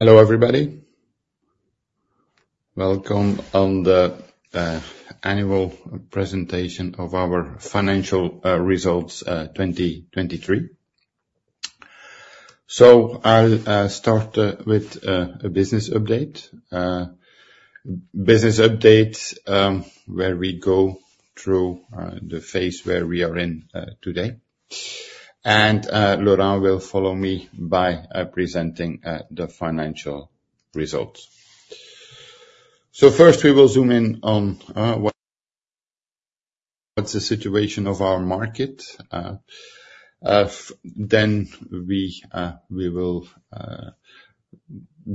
Hello everybody. Welcome to the annual presentation of our financial results 2023. I'll start with a business update, business updates, where we go through the phase where we are in today. Laurent will follow me by presenting the financial results. First we will zoom in on what's the situation of our market, then we will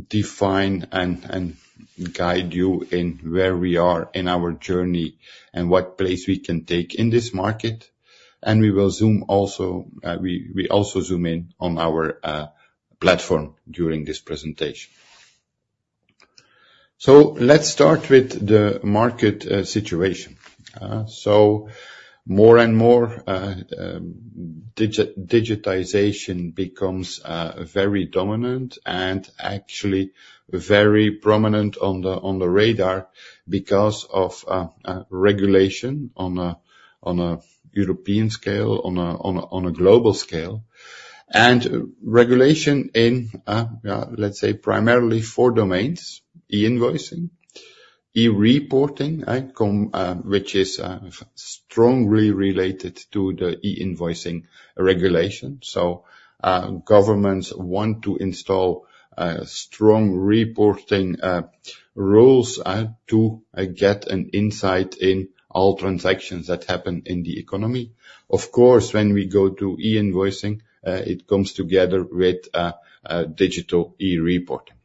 define and guide you in where we are in our journey and what place we can take in this market. We will also zoom in on our platform during this presentation. Let's start with the market situation. More and more, digitization becomes very dominant and actually very prominent on the radar because of regulation on a European scale, on a global scale. Regulation in, yeah, let's say primarily four domains: e-invoicing, e-reporting, right, compliance, which is strongly related to the e-invoicing regulation. Governments want to install strong reporting rules to get an insight in all transactions that happen in the economy. Of course, when we go to e-invoicing, it comes together with digital e-reporting.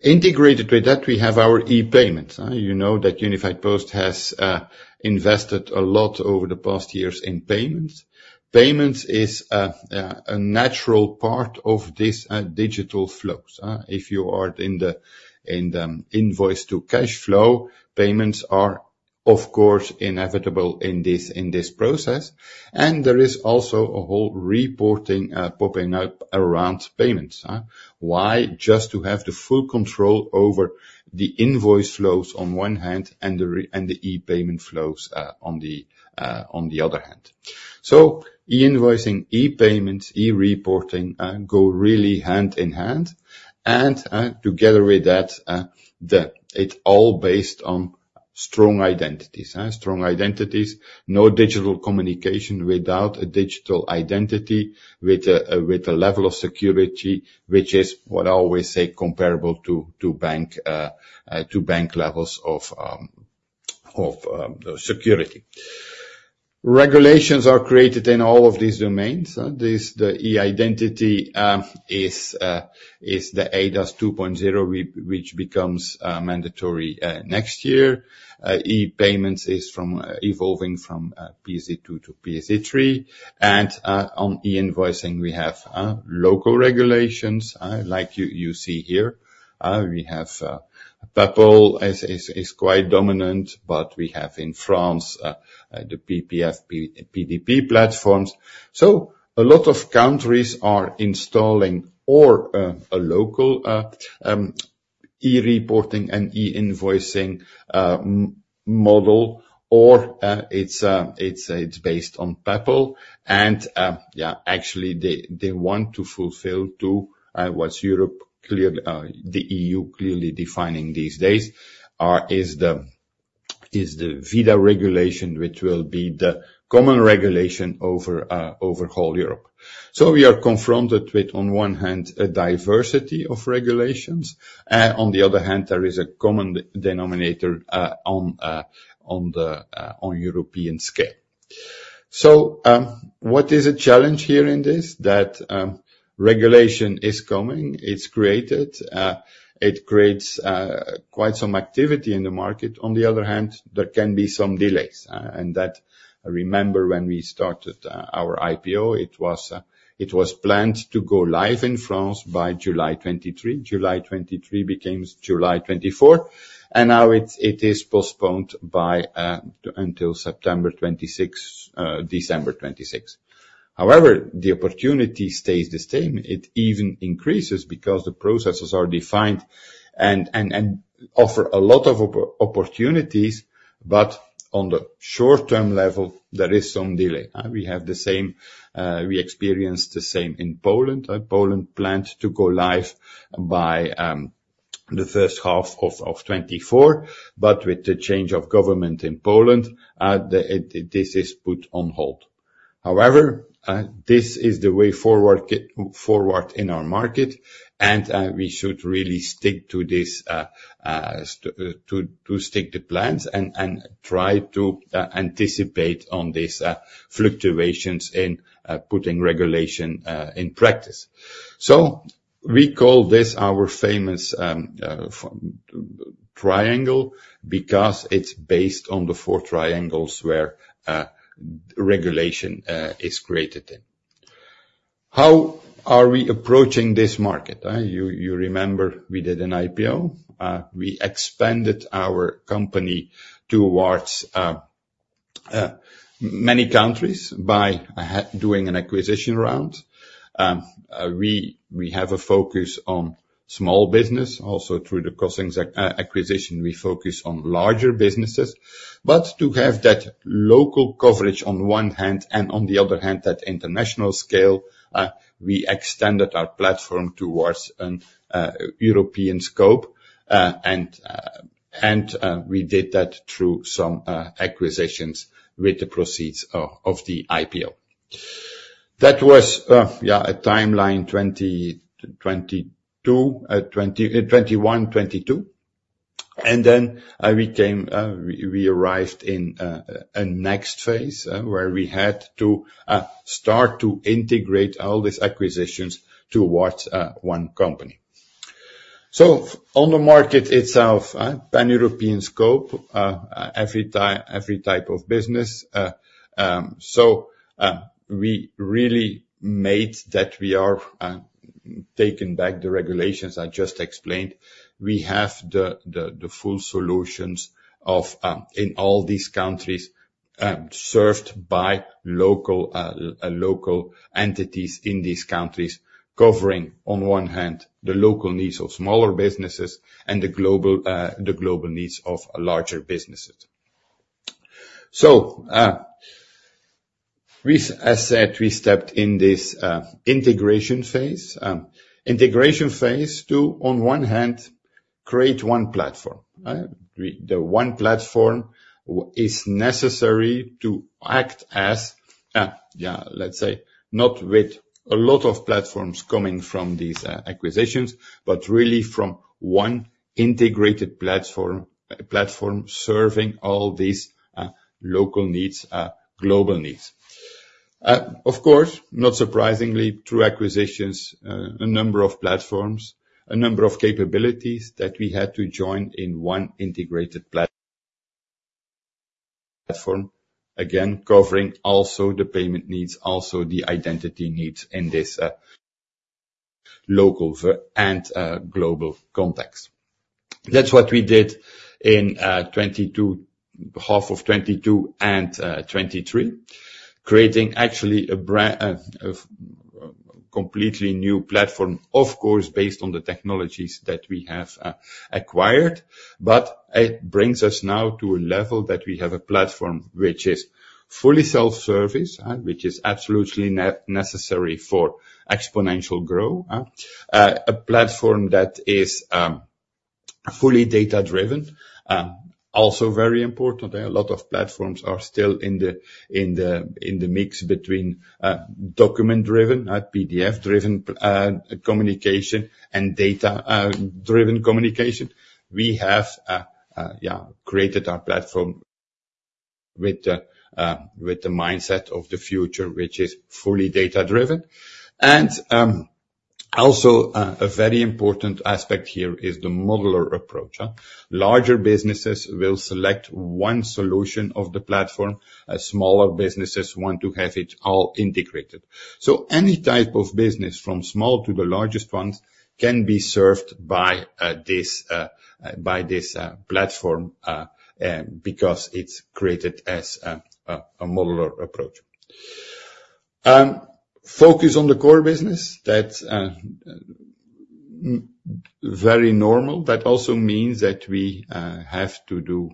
Integrated with that, we have our e-payments. You know that Unifiedpost has invested a lot over the past years in payments. Payments is a natural part of this digital flows. If you are in the invoice-to-cash flow, payments are, of course, inevitable in this process. And there is also a whole reporting popping up around payments, why? Just to have the full control over the invoice flows on one hand and the e-payment flows on the other hand. So e-invoicing, e-payments, e-reporting go really hand in hand. And together with that, the it all based on strong identities, strong identities, no digital communication without a digital identity with a level of security, which is, what I always say, comparable to bank levels of security. Regulations are created in all of these domains, the e-identity is the eIDAS 2.0, which becomes mandatory next year. e-payments is evolving from PSD2 to PSD3. And on e-invoicing we have local regulations, like you see here, we have Peppol is quite dominant, but we have in France the PPF, PDP platforms. So a lot of countries are installing or a local e-reporting and e-invoicing model, or it's based on Peppol. Yeah, actually they want to fulfill what's Europe clearly, the EU clearly defining these days, is the ViDA regulation, which will be the common regulation over whole Europe. So we are confronted with, on one hand, a diversity of regulations, and on the other hand there is a common denominator, on the European scale. So, what is a challenge here in this? That regulation is coming, it creates quite some activity in the market. On the other hand, there can be some delays, and that, remember when we started our IPO, it was planned to go live in France by July 2023. July 2023 became July 2024, and now it is postponed until September 2026, December 2026. However, the opportunity stays the same, it even increases because the processes are defined and offer a lot of opportunities, but on the short-term level there is some delay, we have the same, we experienced the same in Poland, Poland planned to go live by the first half of 2024, but with the change of government in Poland, it, this is put on hold. However, this is the way forward in our market, and we should really stick to this, to stick to plans and try to anticipate on this, fluctuations in putting regulation in practice. So we call this our famous triangle because it's based on the four triangles where regulation is created in. How are we approaching this market? You remember we did an IPO. We expanded our company towards many countries by doing an acquisition round. We have a focus on small business. Also through the Crossinx acquisition we focus on larger businesses. But to have that local coverage on one hand and on the other hand that international scale, we extended our platform towards a European scope, and we did that through some acquisitions with the proceeds of the IPO. That was a timeline 2021, 2022. And then we arrived in a next phase, where we had to start to integrate all these acquisitions towards one company. So on the market itself, pan-European scope, every type of business, so we really made that we are tackling the regulations I just explained. We have the full solutions in all these countries, served by local entities in these countries covering on one hand the local needs of smaller businesses and the global needs of larger businesses. So, as said, we stepped in this integration phase to, on one hand, create one platform, right? We, the one platform which is necessary to act as, yeah, let's say, not with a lot of platforms coming from these acquisitions, but really from one integrated platform serving all these local needs, global needs. Of course, not surprisingly, through acquisitions, a number of platforms, a number of capabilities that we had to join in one integrated platform, again, covering also the payment needs, also the identity needs in this local and global context. That's what we did in 2022, half of 2022 and 2023, creating actually a completely new platform, of course, based on the technologies that we have acquired. But it brings us now to a level that we have a platform which is fully self-service, which is absolutely necessary for exponential growth, a platform that is fully data-driven, also very important, a lot of platforms are still in the mix between document-driven, PDF-driven, communication and data-driven communication. We have, yeah, created our platform with the mindset of the future, which is fully data-driven. And, also, a very important aspect here is the modular approach, larger businesses will select one solution of the platform, smaller businesses want to have it all integrated. So any type of business, from small to the largest ones, can be served by this platform, because it's created as a modular approach. Focus on the core business, that's very normal, that also means that we had to do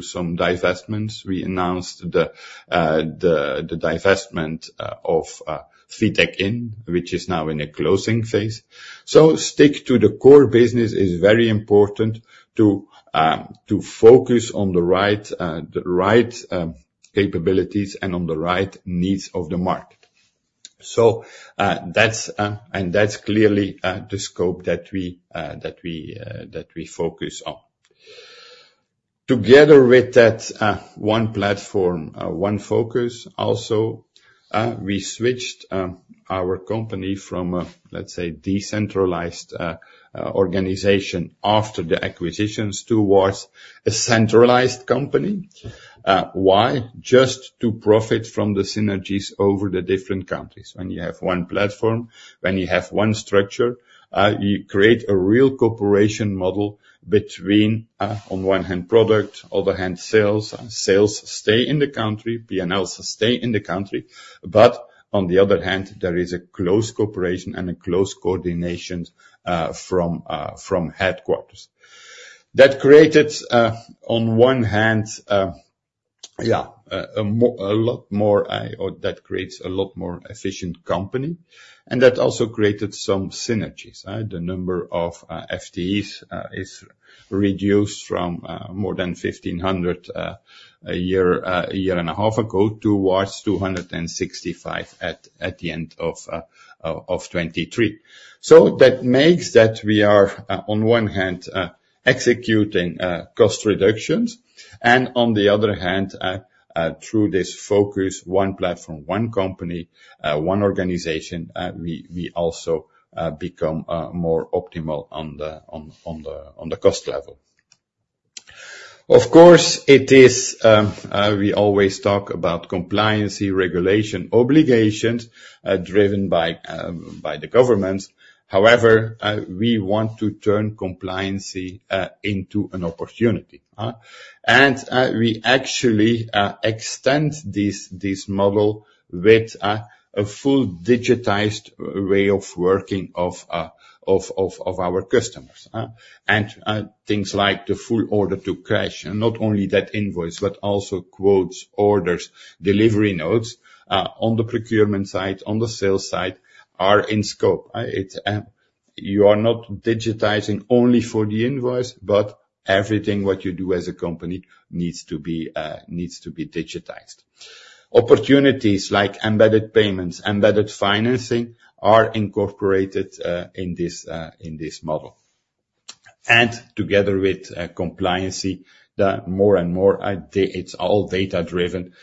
some divestments. We announced the divestment of FitekIN, which is now in a closing phase. So stick to the core business is very important to focus on the right capabilities and on the right needs of the market. So that's clearly the scope that we focus on. Together with that, one platform, one focus also, we switched our company from a, let's say, decentralized organization after the acquisitions towards a centralized company. Why? Just to profit from the synergies over the different countries. When you have one platform, when you have one structure, you create a real cooperation model between, on one hand product, other hand sales, sales stay in the country, P&Ls stay in the country, but on the other hand there is a close cooperation and a close coordination, from headquarters. That created, on one hand, yeah, a lot more, or that creates a lot more efficient company. And that also created some synergies, right? The number of FTEs is reduced from more than 1,500 a year and a half ago towards 265 at the end of 2023. So that makes that we are, on one hand, executing cost reductions, and on the other hand, through this focus, one platform, one company, one organization, we also become more optimal on the cost level. Of course, it is. We always talk about compliancy, regulation, obligations, driven by the governments. However, we want to turn compliancy into an opportunity, and we actually extend this model with a full digitized way of working of our customers, and things like the full order-to-cash, and not only that invoice, but also quotes, orders, delivery notes, on the procurement side, on the sales side, are in scope, right? It's you are not digitizing only for the invoice, but everything what you do as a company needs to be digitized. Opportunities like embedded payments, embedded financing are incorporated in this model. And together with compliancy, the more and more, it's all data-driven,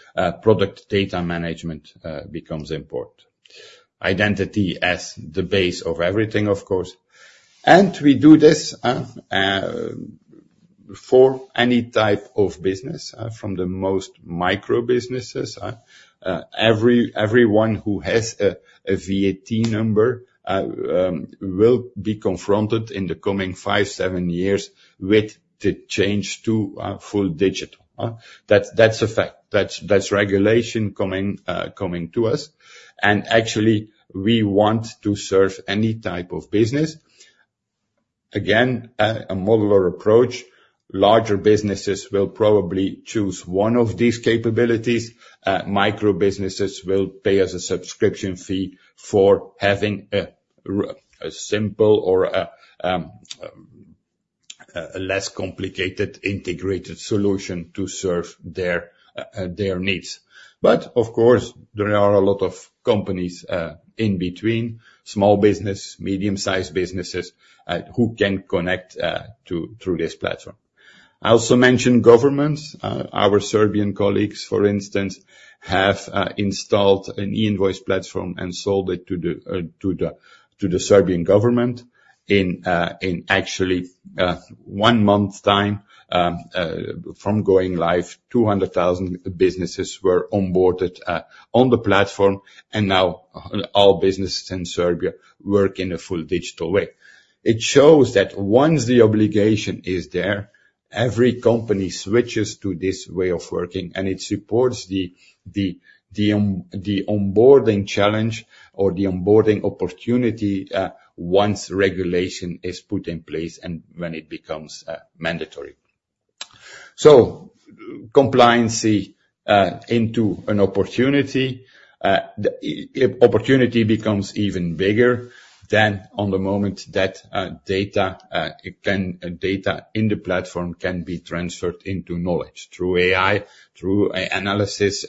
product data management becomes important. Identity as the base of everything, of course. We do this for any type of business, from the most micro businesses, everyone who has a VAT number, will be confronted in the coming five to seven years with the change to full digital. That's a fact. That's regulation coming to us. And actually we want to serve any type of business. Again, a modular approach, larger businesses will probably choose one of these capabilities, micro businesses will pay us a subscription fee for having a rather simple or a less complicated integrated solution to serve their needs. But of course there are a lot of companies in between, small business, medium-sized businesses, who can connect through this platform. I also mentioned governments, our Serbian colleagues, for instance, have installed an e-invoice platform and sold it to the Serbian government in actually one month's time from going live, 200,000 businesses were onboarded on the platform, and now all businesses in Serbia work in a full digital way. It shows that once the obligation is there, every company switches to this way of working, and it supports the onboarding challenge or the onboarding opportunity once regulation is put in place and when it becomes mandatory. So compliancy into an opportunity, the opportunity becomes even bigger than on the moment that data in the platform can be transferred into knowledge through AI, through an analysis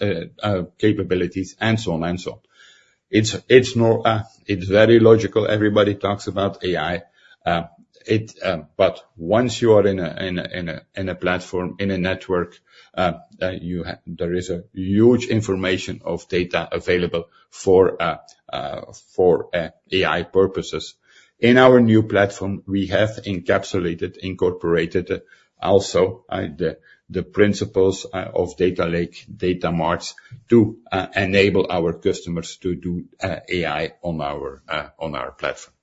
capabilities, and so on and so on. It's very logical. Everybody talks about AI, but once you are in a platform, in a network, there is a huge information of data available for AI purposes. In our new platform we have encapsulated, incorporated, also the principles of Data Lake, Data Marts, to enable our customers to do AI on our platform.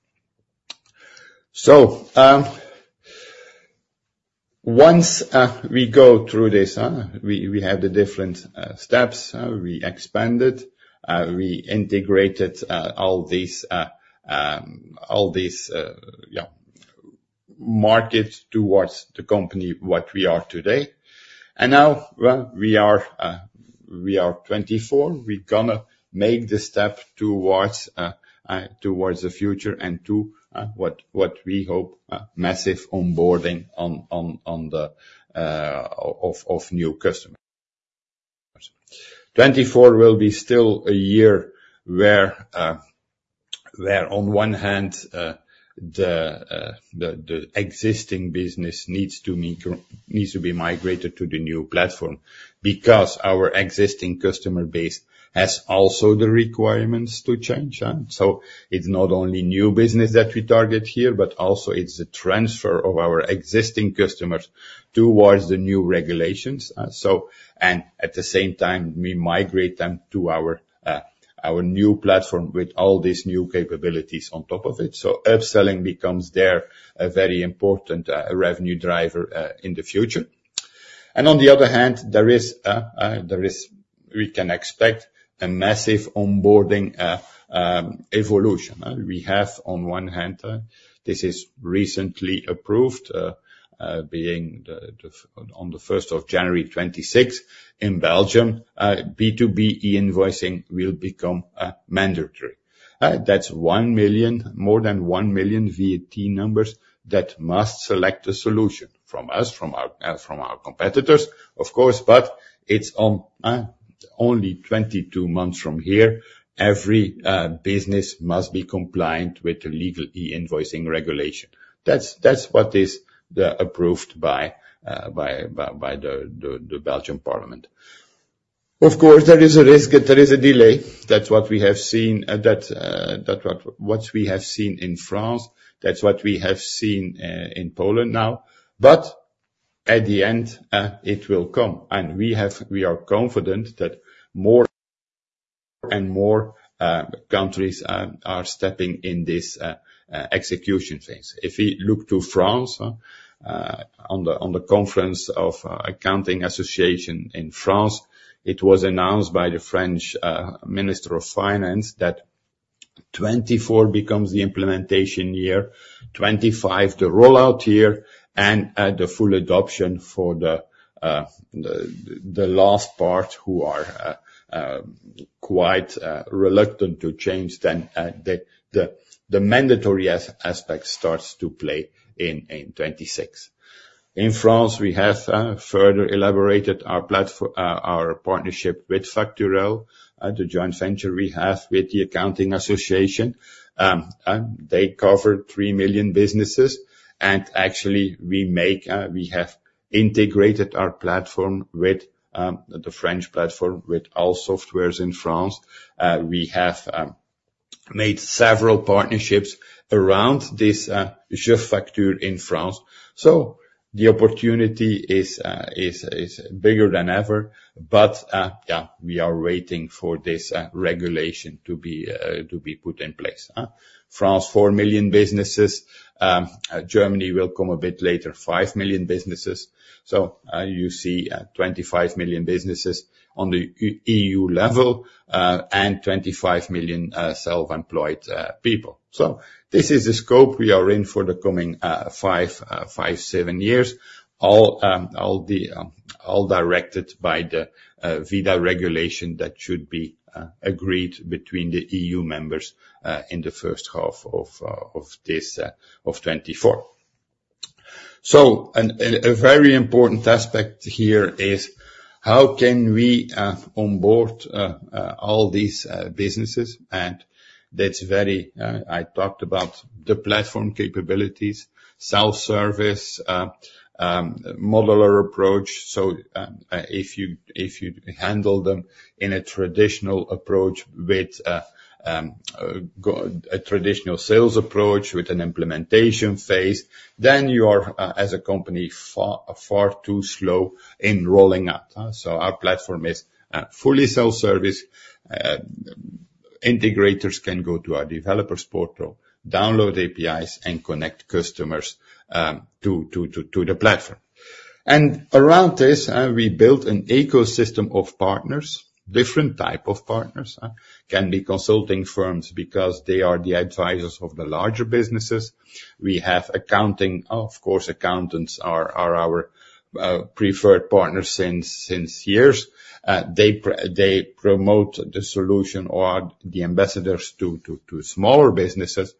So, once we go through this, we have the different steps. We expanded, we integrated all these, yeah, markets towards the company what we are today. And now, well, we are 2024. We're gonna make the step towards the future and to what we hope, massive onboarding of new customers. 2024 will be still a year where, on one hand, the existing business needs to be migrated to the new platform because our existing customer base has also the requirements to change, so it's not only new business that we target here, but also it's the transfer of our existing customers towards the new regulations, so and at the same time we migrate them to our new platform with all these new capabilities on top of it. So upselling becomes there a very important revenue driver in the future. On the other hand, there is we can expect a massive onboarding evolution. We have on one hand, this is recently approved, being the on the 1st of January 2026 in Belgium, B2B e-invoicing will become mandatory. That's one million more than one million VAT numbers that must select a solution from us, from our competitors, of course, but it's only 22 months from here. Every business must be compliant with the legal e-invoicing regulation. That's what is approved by the Belgian Parliament. Of course there is a risk that there is a delay, that's what we have seen in France, that's what we have seen in Poland now, but at the end, it will come, and we are confident that more and more countries are stepping in this execution phase. If we look to France, on the conference of the Accounting Association in France, it was announced by the French Minister of Finance that 2024 becomes the implementation year, 2025 the rollout year, and the full adoption for the last part who are quite reluctant to change, then the mandatory aspect starts to play in 2026. In France we have further elaborated our platform, our partnership with JeFacture, the joint venture we have with the Accounting Association. They cover three million businesses, and actually we have integrated our platform with the French platform with all softwares in France. We have made several partnerships around this, JeFacture in France. So the opportunity is bigger than ever, but yeah, we are waiting for this regulation to be put in place. France four million businesses, Germany will come a bit later, five million businesses, so you see, 25 million businesses on the EU level, and 25 million self-employed people. So this is the scope we are in for the coming five to seven years, all directed by the ViDA regulation that should be agreed between the EU members, in the first half of 2024. So, a very important aspect here is how can we onboard all these businesses, and that's very. I talked about the platform capabilities, self-service modeler approach, so, if you handle them in a traditional approach with a traditional sales approach with an implementation phase, then you are, as a company, far, far too slow in rolling out, so our platform is fully self-service, integrators can go to our developers portal, download APIs, and connect customers to the platform. And around this, we built an ecosystem of partners, different type of partners, can be consulting firms because they are the advisors of the larger businesses. We have accountants, of course accountants are our preferred partners since years, they promote the solution or the ambassadors to smaller businesses,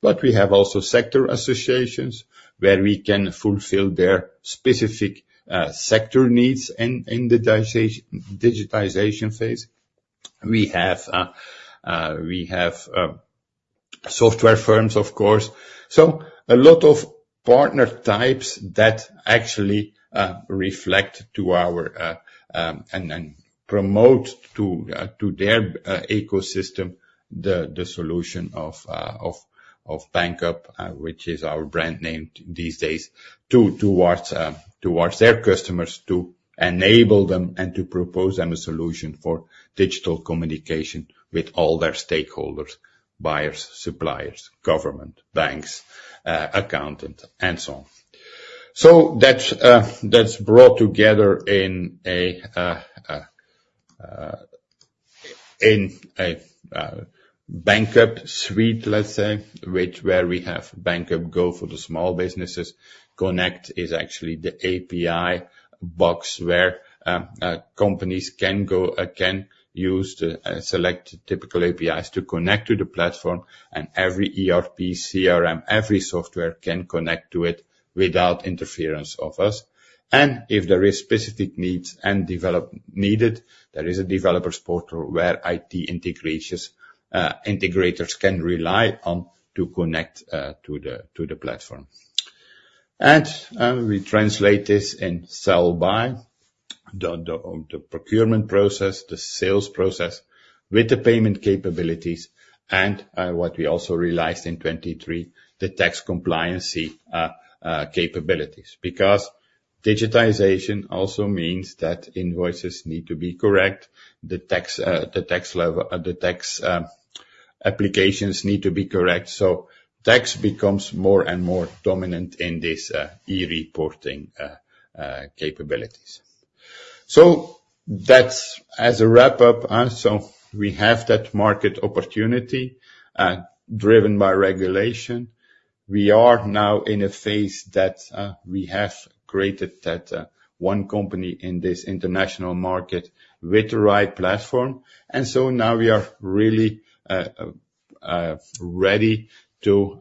but we have also sector associations where we can fulfill their specific sector needs in the digitization phase. We have software firms, of course, so a lot of partner types that actually reflect to our and promote to their ecosystem the solution of Banqup, which is our brand name these days, towards their customers to enable them and to propose them a solution for digital communication with all their stakeholders, buyers, suppliers, government, banks, accountants, and so on. So that's brought together in a Banqup suite, let's say, where we have Banqup Go for the small businesses. Connect is actually the API box where companies can use the select typical APIs to connect to the platform, and every ERP, CRM, every software can connect to it without interference of us. And if there is specific needs and development needed, there is a developers portal where IT integrators can rely on to connect to the platform. And we translate this in sell-buy, the procurement process, the sales process, with the payment capabilities, and what we also realized in 2023, the tax compliance capabilities, because digitization also means that invoices need to be correct, the tax level, the applications need to be correct, so tax becomes more and more dominant in this e-reporting capabilities. So that's a wrap-up, so we have that market opportunity, driven by regulation. We are now in a phase that we have created that one company in this international market with the right platform, and so now we are really ready to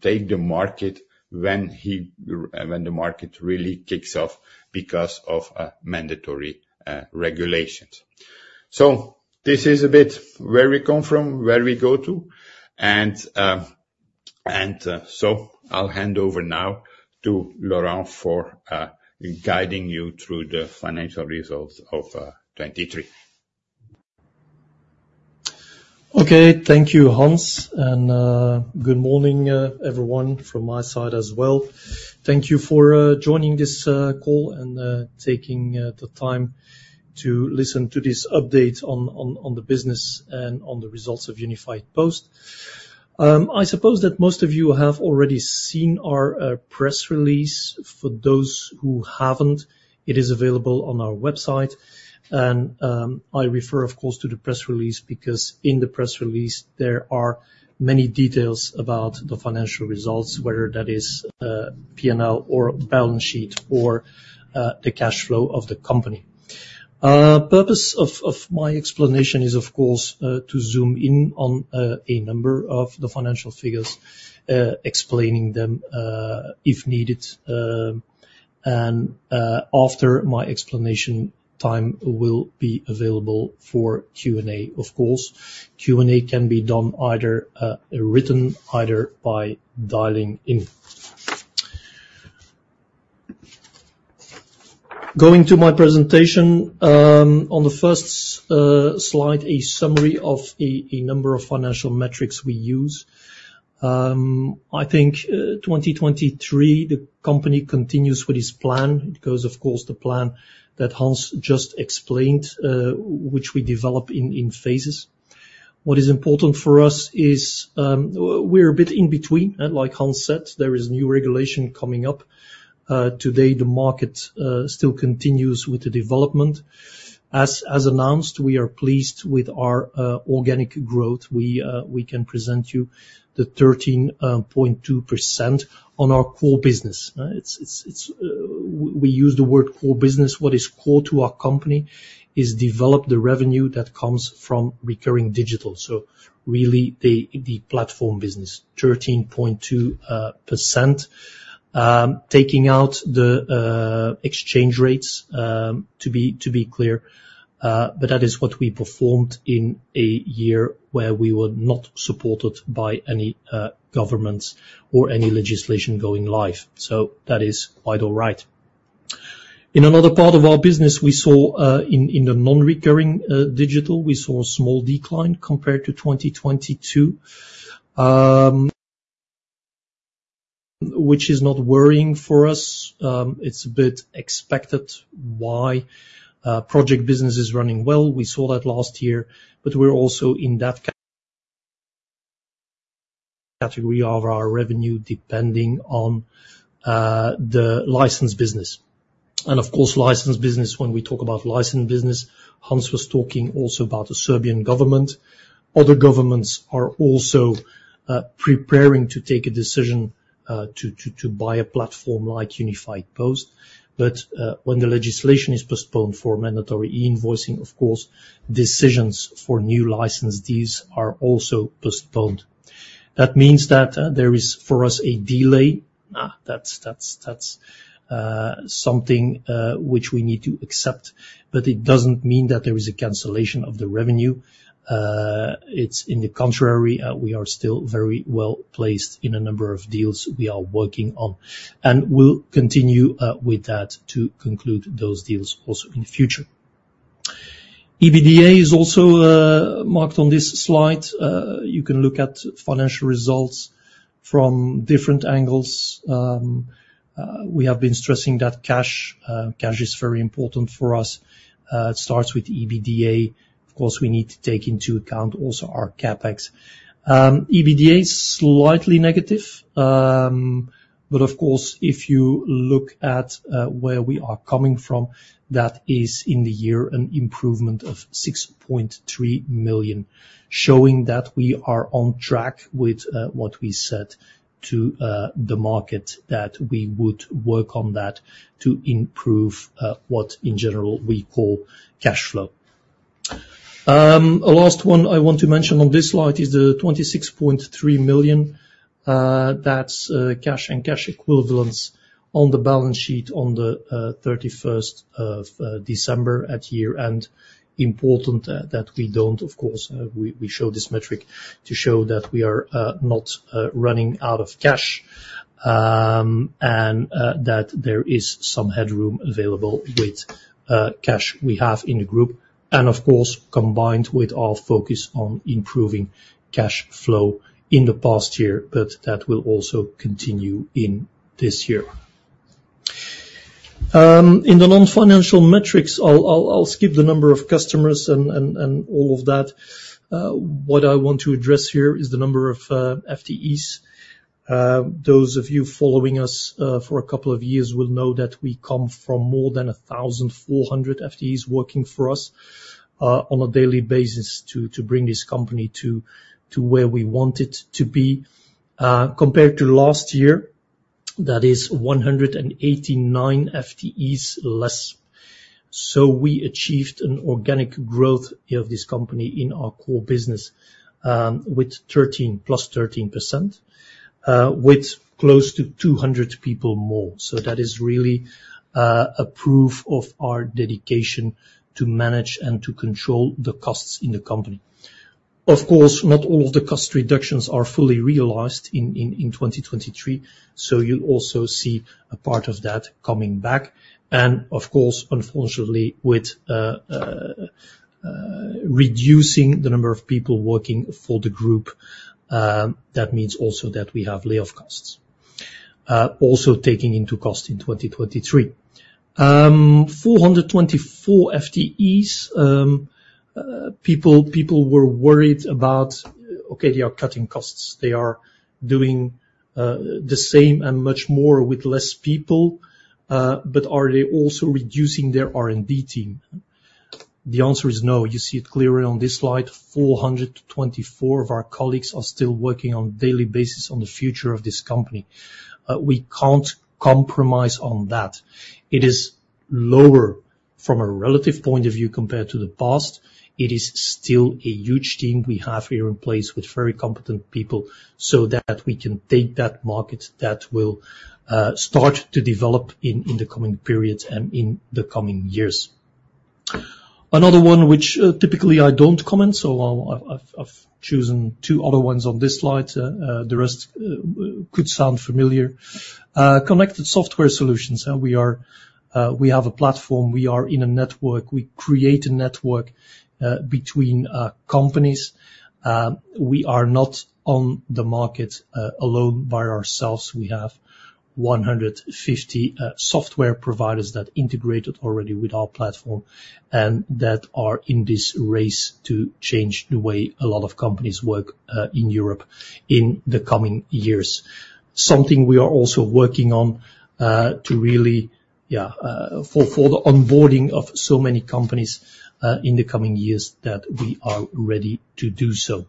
take the market when the market really kicks off because of mandatory regulations. So this is a bit where we come from, where we go to, and so I'll hand over now to Laurent for guiding you through the financial results of 2023. Okay, thank you, Hans, and good morning, everyone from my side as well. Thank you for joining this call and taking the time to listen to this update on the business and on the results of Unifiedpost. I suppose that most of you have already seen our press release. For those who haven't, it is available on our website, and I refer, of course, to the press release because in the press release there are many details about the financial results, whether that is P&L or balance sheet or the cash flow of the company. The purpose of my explanation is, of course, to zoom in on a number of the financial figures, explaining them if needed, and after my explanation time will be available for Q&A, of course. Q&A can be done either written or by dialing in. Going to my presentation, on the first slide, a summary of a number of financial metrics we use. I think 2023 the company continues with its plan. It goes, of course, the plan that Hans just explained, which we develop in phases. What is important for us is, we're a bit in between, like Hans said, there is new regulation coming up. Today the market still continues with the development. As announced, we are pleased with our organic growth. We can present you the 13.2% on our core business, it's, we use the word core business, what is core to our company is develop the revenue that comes from recurring digital, so really the platform business, 13.2%, taking out the exchange rates, to be clear, but that is what we performed in a year where we were not supported by any governments or any legislation going live, so that is quite all right. In another part of our business we saw, in the non-recurring digital, we saw a small decline compared to 2022, which is not worrying for us, it's a bit expected why project business is running well, we saw that last year, but we're also in that category of our revenue depending on the licensed business, and of course licensed business when we talk about licensed business, Hans was talking also about the Serbian government, other governments are also preparing to take a decision to buy a platform like Unifiedpost, but when the legislation is postponed for mandatory e-invoicing, of course, decisions for new licensees are also postponed. That means that there is for us a delay, that's something which we need to accept, but it doesn't mean that there is a cancellation of the revenue; it's in the contrary. We are still very well placed in a number of deals we are working on, and we'll continue with that to conclude those deals also in the future. EBITDA is also marked on this slide. You can look at financial results from different angles. We have been stressing that cash, cash is very important for us. It starts with EBITDA, of course. We need to take into account also our CapEx. EBITDA is slightly negative, but of course if you look at where we are coming from, that is in the year an improvement of 6.3 million, showing that we are on track with what we said to the market that we would work on that to improve what in general we call cash flow. A last one I want to mention on this slide is the 26.3 million, that's cash and cash equivalents on the balance sheet on the 31st December at year-end, important that we don't, of course, we show this metric to show that we are not running out of cash, and that there is some headroom available with cash we have in the group, and of course combined with our focus on improving cash flow in the past year, but that will also continue in this year. In the non-financial metrics, I'll skip the number of customers and all of that, what I want to address here is the number of FTEs. Those of you following us for a couple of years will know that we come from more than 1,400 FTEs working for us on a daily basis to bring this company to where we want it to be. Compared to last year, that is 189 FTEs less, so we achieved an organic growth of this company in our core business with 13+ 13%, with close to 200 people more, so that is really a proof of our dedication to manage and to control the costs in the company. Of course, not all of the cost reductions are fully realized in 2023, so you'll also see a part of that coming back, and of course, unfortunately, with reducing the number of people working for the group, that means also that we have layoff costs also taking into account in 2023. 424 FTEs, people, people were worried about, okay, they are cutting costs, they are doing the same and much more with less people, but are they also reducing their R&D team? The answer is no, you see it clearly on this slide, 424 of our colleagues are still working on a daily basis on the future of this company. We can't compromise on that. It is lower from a relative point of view compared to the past, it is still a huge team we have here in place with very competent people so that we can take that market that will start to develop in, in the coming periods and in the coming years. Another one which, typically I don't comment, so I've chosen 2 other ones on this slide, the rest could sound familiar, connected software solutions, we are, we have a platform, we are in a network, we create a network, between companies, we are not on the market alone by ourselves, we have 150 software providers that integrated already with our platform and that are in this race to change the way a lot of companies work in Europe in the coming years. Something we are also working on, to really, yeah, for the onboarding of so many companies in the coming years that we are ready to do so.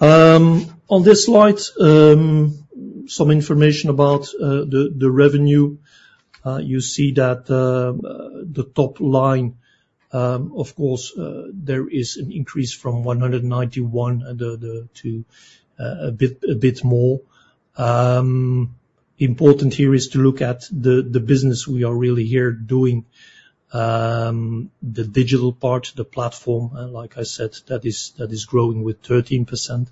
On this slide, some information about the revenue. You see that the top line, of course, there is an increase from 191 to a bit more. Important here is to look at the business we are really here doing, the digital part, the platform, like I said, that is growing with 13%.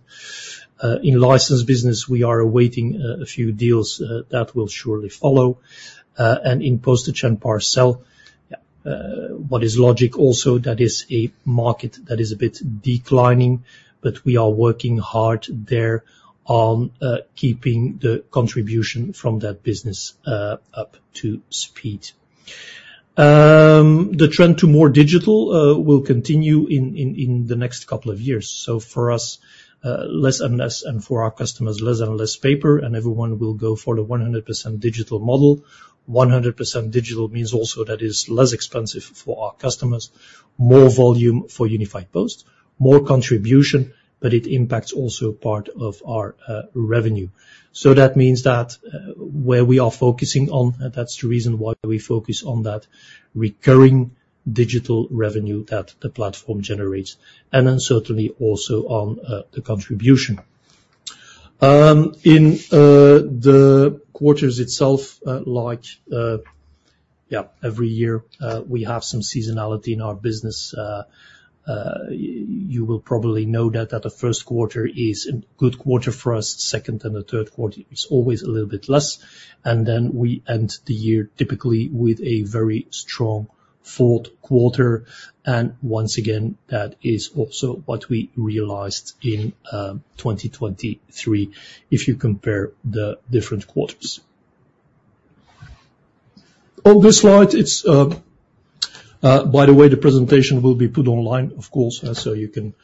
In licensed business we are awaiting a few deals that will surely follow, and in postage and parcel, yeah, what is logic also that is a market that is a bit declining, but we are working hard there on keeping the contribution from that business up to speed. The trend to more digital will continue in the next couple of years, so for us, less and less and for our customers less and less paper and everyone will go for the 100% digital model. 100% digital means also that is less expensive for our customers, more volume for Unifiedpost, more contribution, but it impacts also part of our revenue. So that means that, where we are focusing on, and that's the reason why we focus on that recurring digital revenue that the platform generates, and then certainly also on the contribution in the quarters itself, like, yeah, every year, we have some seasonality in our business, you will probably know that the first quarter is a good quarter for us, second and the third quarter it's always a little bit less, and then we end the year typically with a very strong fourth quarter, and once again that is also what we realized in 2023 if you compare the different quarters. On this slide, it's, by the way, the presentation will be put online, of course, so you can,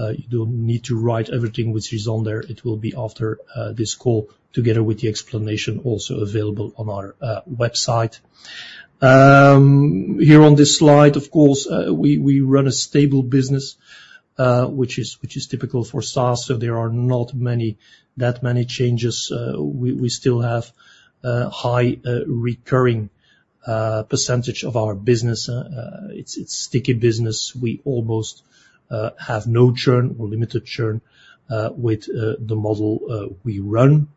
you don't need to write everything which is on there, it will be after this call together with the explanation also available on our website. Here on this slide, of course, we run a stable business, which is typical for SaaS, so there are not that many changes, we still have high recurring percentage of our business, it's sticky business, we almost have no churn or limited churn with the model we run.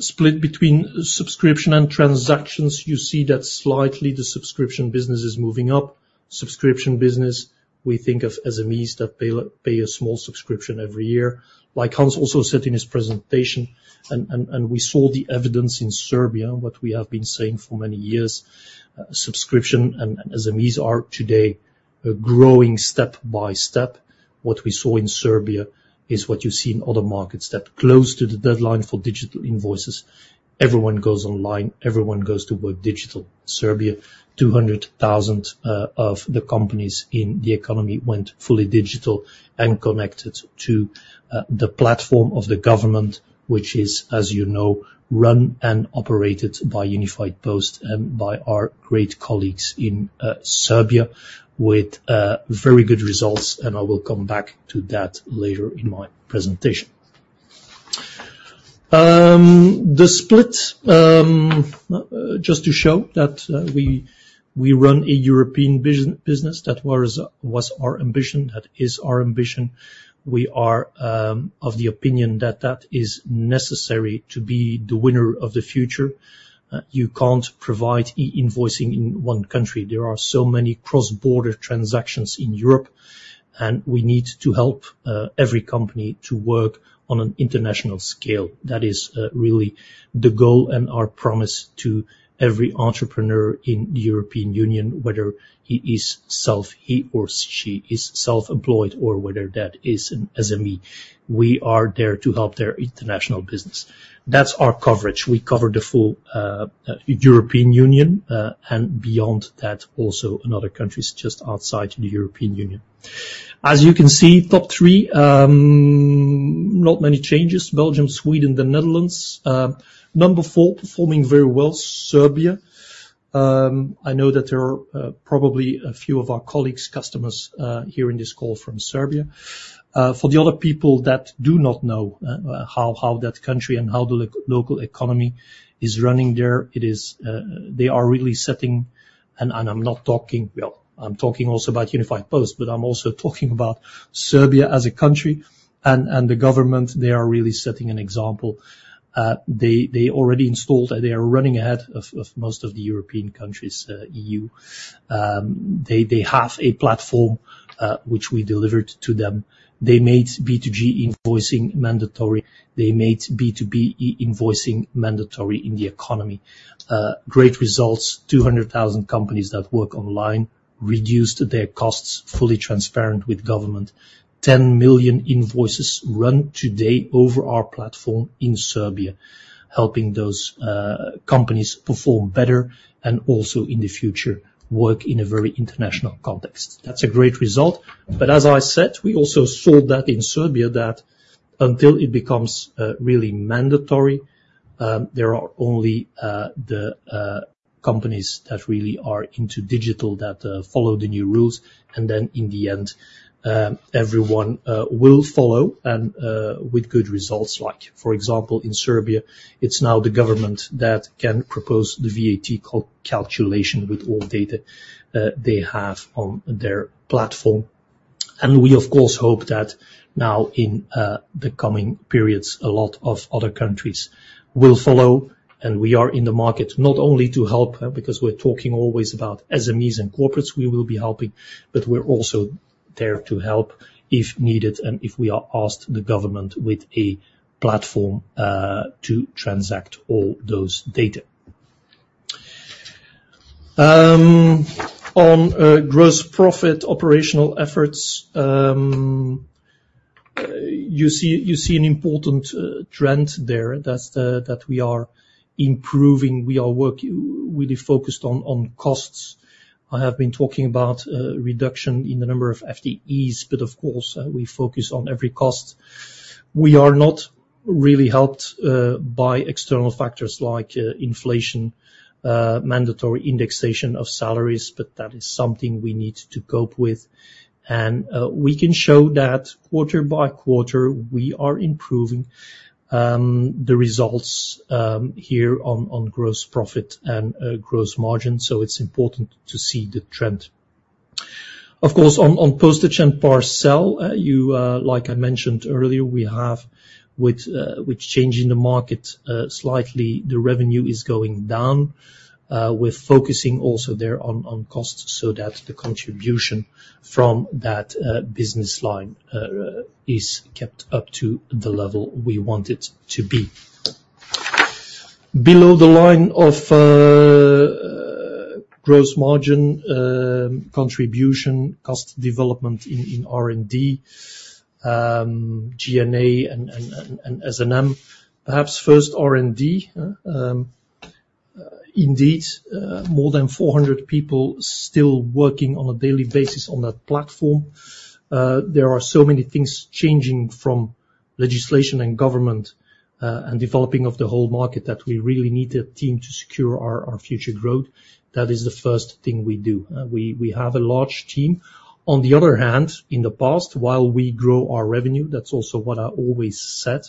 Split between subscription and transactions, you see that slightly the subscription business is moving up, subscription business we think of as a means that pay a small subscription every year, like Hans also said in his presentation, and we saw the evidence in Serbia and what we have been saying for many years, subscription and as a means are today a growing step by step, what we saw in Serbia is what you see in other markets that close to the deadline for digital invoices, everyone goes online, everyone goes to work digital. Serbia, 200,000 of the companies in the economy went fully digital and connected to the platform of the government which is, as you know, run and operated by Unifiedpost and by our great colleagues in Serbia with very good results, and I will come back to that later in my presentation. The split, just to show that, we, we run a European business, that was, was our ambition, that is our ambition, we are of the opinion that that is necessary to be the winner of the future. You can't provide e-invoicing in one country, there are so many cross-border transactions in Europe, and we need to help every company to work on an international scale, that is really the goal and our promise to every entrepreneur in the European Union whether he is self-employed or she is self-employed or whether that is an SME, we are there to help their international business. That's our coverage, we cover the full European Union, and beyond that also other countries just outside the European Union. As you can see, top three, not many changes, Belgium, Sweden, the Netherlands. Number four performing very well, Serbia. I know that there are probably a few of our colleagues, customers here in this call from Serbia. For the other people that do not know how that country and how the local economy is running there, it is, they are really setting an example, and I'm not talking, well, I'm talking also about Unifiedpost, but I'm also talking about Serbia as a country and the government. They are really setting an example. They already installed, they are running ahead of most of the European countries, EU. They have a platform which we delivered to them. They made B2G invoicing mandatory. They made B2B e-invoicing mandatory in the economy. Great results, 200,000 companies that work online reduced their costs fully transparent with government. 10 million invoices run today over our platform in Serbia, helping those companies perform better and also in the future work in a very international context. That's a great result, but as I said, we also saw that in Serbia that until it becomes really mandatory, there are only the companies that really are into digital that follow the new rules, and then in the end, everyone will follow and with good results, like for example in Serbia, it's now the government that can propose the VAT calculation with all data they have on their platform, and we of course hope that now in the coming periods a lot of other countries will follow, and we are in the market not only to help because we're talking always about SMEs and corporates, we will be helping, but we're also there to help if needed and if we are asked the government with a platform to transact all those data. On gross profit operational efforts, you see, you see an important trend there that's that we are improving, we are working really focused on, on costs. I have been talking about reduction in the number of FTEs, but of course, we focus on every cost. We are not really helped by external factors like inflation, mandatory indexation of salaries, but that is something we need to cope with, and we can show that quarter by quarter we are improving the results here on, on gross profit and gross margin, so it's important to see the trend. Of course, on postage and parcel, you, like I mentioned earlier, we have with, with change in the market, slightly the revenue is going down, we're focusing also there on, on costs so that the contribution from that business line is kept up to the level we want it to be. Below the line of gross margin, contribution, cost development in R&D, G&A and S&M, perhaps first R&D, indeed, more than 400 people still working on a daily basis on that platform. There are so many things changing from legislation and government, and developing of the whole market that we really need a team to secure our future growth; that is the first thing we do. We have a large team. On the other hand, in the past, while we grow our revenue, that's also what I always said.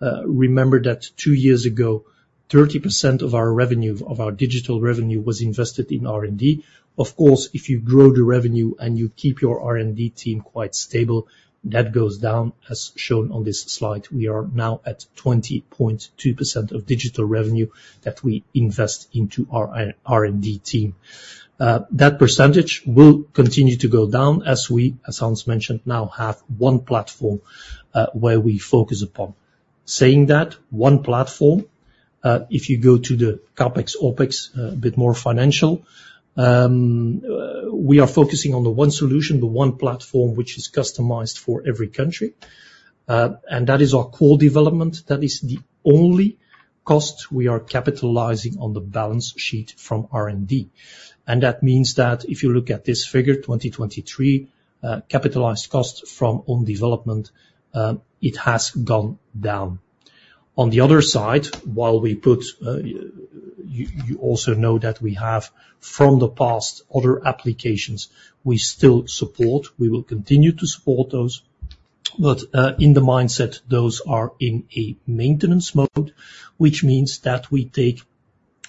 Remember that two years ago 30% of our revenue, of our digital revenue was invested in R&D. Of course if you grow the revenue and you keep your R&D team quite stable, that goes down as shown on this slide. We are now at 20.2% of digital revenue that we invest into our R&D team. That percentage will continue to go down as we, as Hans mentioned, now have one platform where we focus upon. Saying that, one platform, if you go to the CapEx, OpEx, a bit more financial, we are focusing on the one solution, the one platform which is customized for every country, and that is our core development, that is the only cost we are capitalizing on the balance sheet from R&D, and that means that if you look at this figure 2023, capitalized cost from own development, it has gone down. On the other side, while we put, you also know that we have from the past other applications we still support. We will continue to support those, but in the mindset those are in a maintenance mode, which means that we take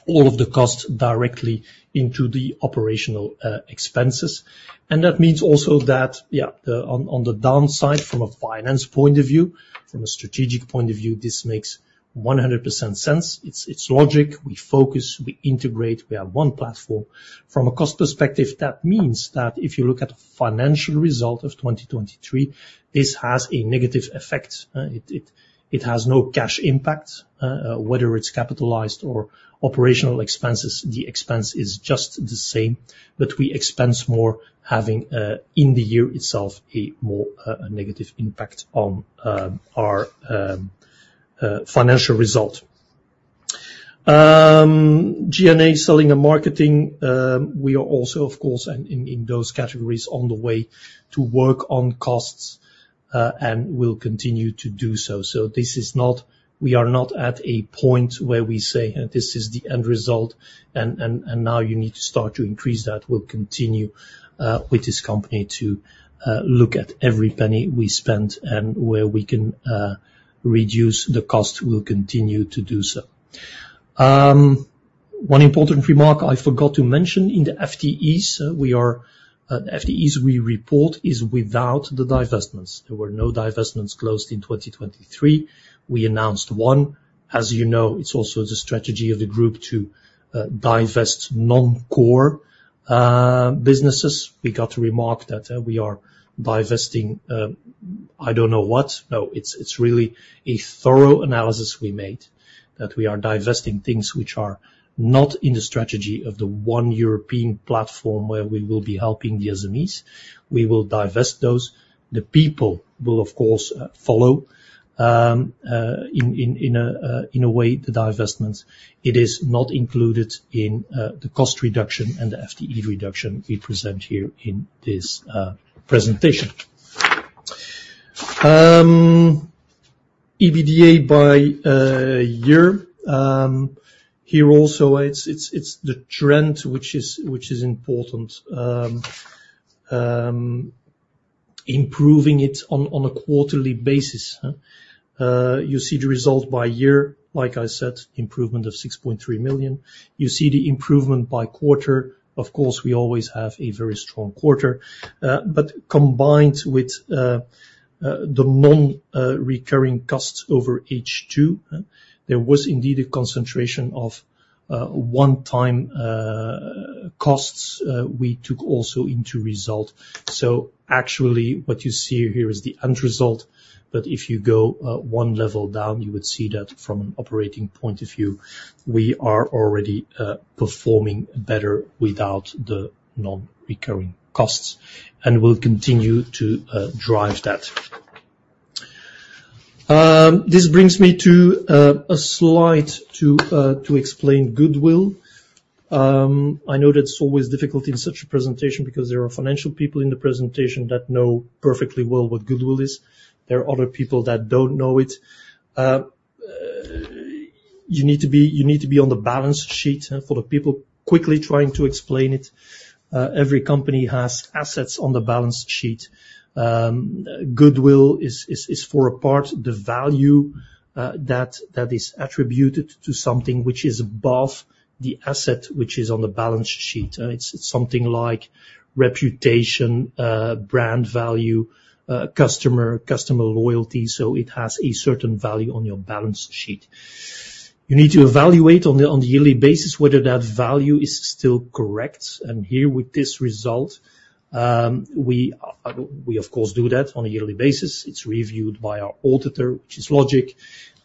all of the costs directly into the operational expenses, and that means also that, yeah, on the downside from a finance point of view, from a strategic point of view, this makes 100% sense. It's logic, we focus, we integrate, we have one platform. From a cost perspective, that means that if you look at a financial result of 2023, this has a negative effect. It has no cash impact, whether it's capitalized or operational expenses, the expense is just the same, but we expense more having in the year itself a more negative impact on our financial result. G&A, selling and marketing, we are also, of course, in those categories on the way to work on costs and will continue to do so. So this is not. We are not at a point where we say and this is the end result and now you need to start to increase that. We'll continue with this company to look at every penny we spend and where we can reduce the cost. We'll continue to do so. One important remark I forgot to mention in the FTEs, the FTEs we report is without the divestments, there were no divestments closed in 2023, we announced one, as you know it's also the strategy of the group to divest non-core businesses, we got to remark that we are divesting, it's really a thorough analysis we made that we are divesting things which are not in the strategy of the one European platform where we will be helping the SMEs, we will divest those, the people will of course follow in a way the divestments, it is not included in the cost reduction and the FTE reduction we present here in this presentation. EBITDA by year, here also it's the trend which is important, improving it on a quarterly basis. You see the result by year, like I said, improvement of 6.3 million. You see the improvement by quarter. Of course we always have a very strong quarter, but combined with the non-recurring costs over H2, there was indeed a concentration of one-time costs. We took also into result, so actually what you see here is the end result, but if you go one level down you would see that from an operating point of view we are already performing better without the non-recurring costs, and we'll continue to drive that. This brings me to a slide to explain Goodwill. I know that it's always difficult in such a presentation because there are financial people in the presentation that know perfectly well what Goodwill is. There are other people that don't know it. You need to be on the balance sheet for the people quickly trying to explain it. Every company has assets on the balance sheet. Goodwill is for a part the value that is attributed to something which is above the asset which is on the balance sheet. It's something like reputation, brand value, customer loyalty, so it has a certain value on your balance sheet. You need to evaluate on the yearly basis whether that value is still correct, and here with this result, we of course do that on a yearly basis. It's reviewed by our auditor, which is logical,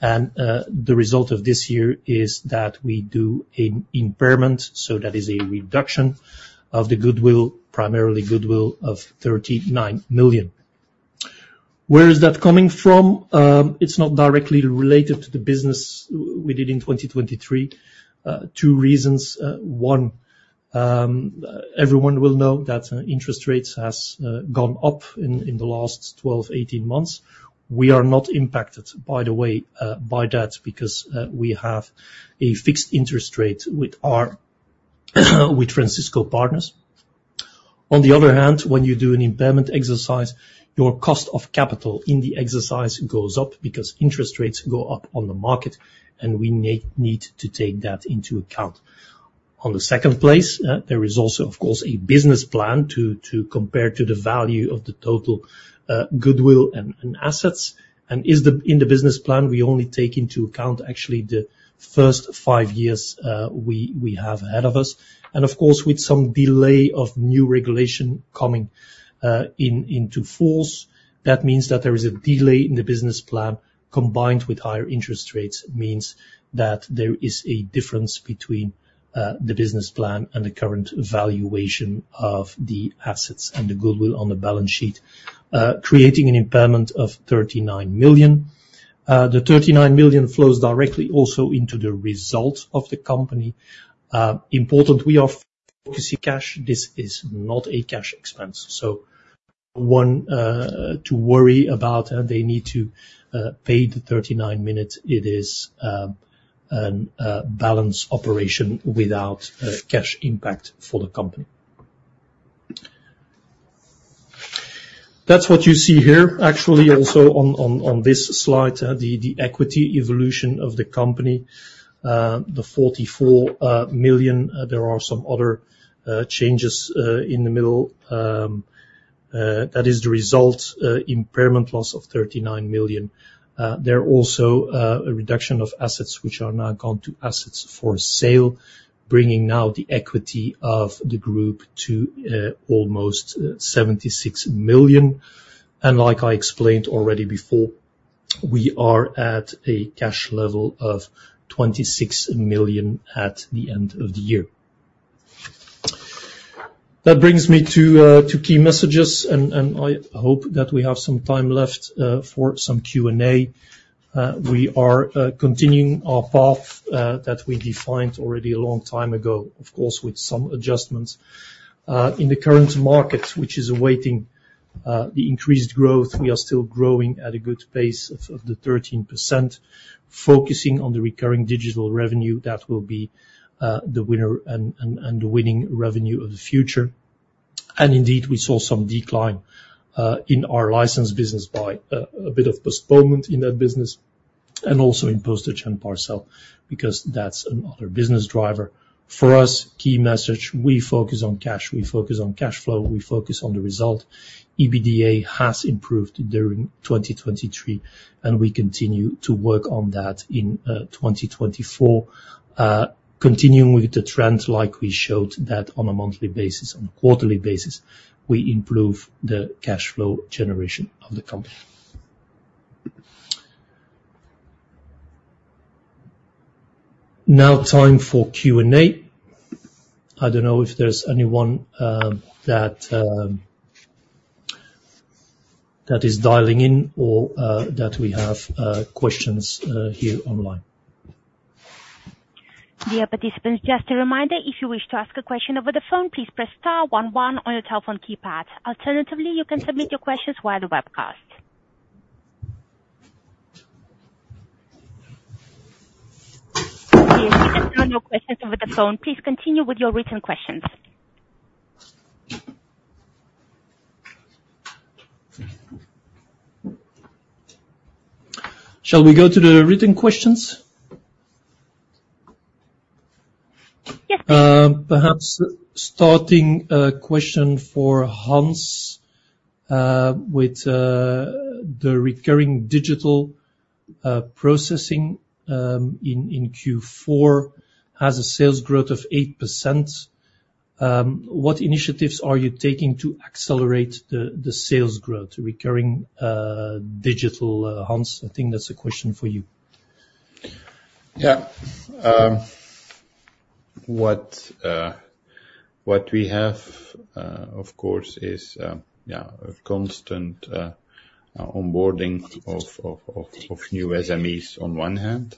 and the result of this year is that we do an impairment, so that is a reduction of the Goodwill, primarily Goodwill, of 39 million. Where is that coming from? It's not directly related to the business we did in 2023. Two reasons. One, everyone will know that interest rates has gone up in the last 12-18 months. We are not impacted, by the way, by that because we have a fixed interest rate with Francisco Partners. On the other hand, when you do an impairment exercise, your cost of capital in the exercise goes up because interest rates go up on the market, and we need to take that into account. On the second place, there is also of course a business plan to compare to the value of the total Goodwill and assets, and in the business plan we only take into account actually the first five years we have ahead of us, and of course with some delay of new regulation coming into force, that means that there is a delay in the business plan combined with higher interest rates that there is a difference between the business plan and the current valuation of the assets and the Goodwill on the balance sheet, creating an impairment of 39 million. 39 million flows directly also into the result of the company. Important, we are focusing cash; this is not a cash expense, so one to worry about. They need to pay the 39 million; it is a balance operation without cash impact for the company. That's what you see here actually also on this slide, the equity evolution of the company. The 44 million, there are some other changes in the middle; that is the result, impairment loss of 39 million. There are also a reduction of assets which are now gone to assets for sale, bringing now the equity of the group to almost 76 million, and like I explained already before, we are at a cash level of 26 million at the end of the year. That brings me to key messages, and I hope that we have some time left for some Q&A. We are continuing our path that we defined already a long time ago, of course with some adjustments. In the current market which is awaiting the increased growth, we are still growing at a good pace of 13%, focusing on the recurring digital revenue that will be the winner and the winning revenue of the future, and indeed we saw some decline in our license business by a bit of postponement in that business, and also in postage and parcel because that's another business driver. For us, key message, we focus on cash, we focus on cash flow, we focus on the result, EBITDA has improved during 2023, and we continue to work on that in 2024, continuing with the trend like we showed that on a monthly basis, on a quarterly basis, we improve the cash flow generation of the company. Now time for Q&A. I don't know if there's anyone, that, that is dialing in or, that we have, questions, here online. Dear participants, just a reminder, if you wish to ask a question over the phone, please press star one one on your telephone keypad. Alternatively, you can submit your questions via the webcast. Dear speakers, there are no questions over the phone, please continue with your written questions. Shall we go to the written questions? Yes, please. Perhaps starting with a question for Hans: the recurring digital processing in Q4 has a sales growth of 8%. What initiatives are you taking to accelerate the sales growth, recurring digital? Hans, I think that's a question for you. Yeah, what we have, of course is, yeah, a constant onboarding of new SMEs on one hand.